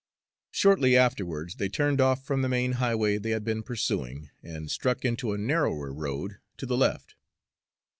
Shortly afterwards they turned off from the main highway they had been pursuing, and struck into a narrower road to the left.